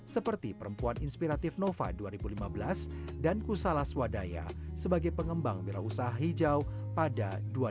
seperti perempuan inspiratif nova dua ribu lima belas dan kusala swadaya sebagai pengembang bira usaha hijau pada dua ribu lima belas